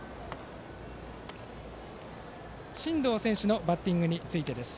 真藤選手のバッティングについてです。